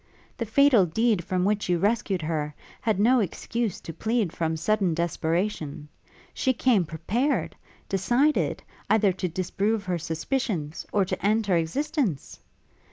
The fatal deed from which you rescued her, had no excuse to plead from sudden desperation; she came prepared, decided, either to disprove her suspicions, or to end her existence!